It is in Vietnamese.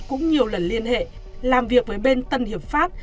cũng nhiều lần liên hệ làm việc với bên tân hiệp pháp